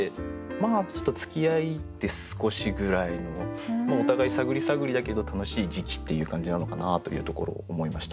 ちょっとつきあって少しぐらいのお互い探り探りだけど楽しい時期っていう感じなのかなというところを思いました。